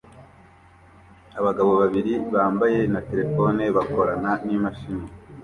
Abagabo babiri bambaye na terefone bakorana n'imashini